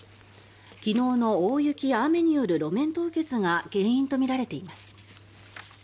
昨日の大雪や雨による路面凍結が原因とみられています。